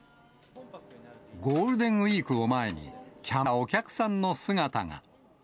ゴールデンウィークを前に、キャンプ用品を買いに来たお客さんの姿が。